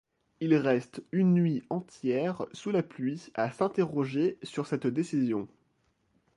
Il reste une nuit entière sous la pluie à s'interroger sur cette décision.